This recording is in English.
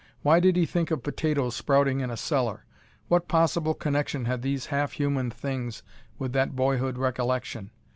Why did he think of potatoes sprouting in a cellar? What possible connection had these half human things with that boyhood recollection?